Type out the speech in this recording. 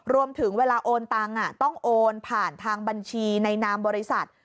เวลาโอนตังค์ต้องโอนผ่านทางบัญชีในนามบริษัท